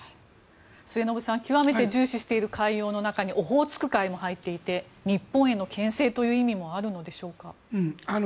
末延さん極めて重視している海洋の中にオホーツク海も入っていて日本へのけん制という意味もあるのでしょうか。